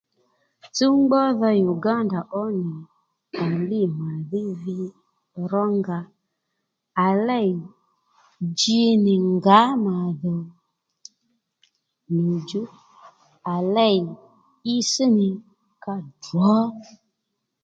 Tsúw ngbódha Uganda ó nì à lî ma dhí vi rónga à lêy ji nì ngǎ mà dhò nyù chú à lêy itss nì kà ddrǒ